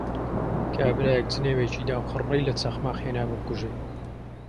کابرایەک جنێوێکی دا و خڕەی لە چەخماخ هێنا بمکوژێ